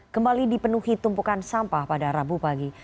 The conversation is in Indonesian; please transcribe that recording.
kembali dipenuhi tumpukan sampah pada rabu pagi